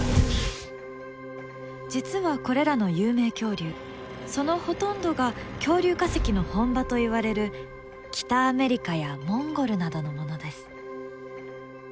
実はこれらの有名恐竜そのほとんどが恐竜化石の本場といわれる北アメリカやモンゴルなどのものです。